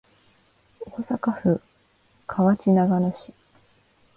大阪府河内長野市